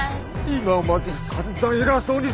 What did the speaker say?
今まで散々偉そうにしやがって！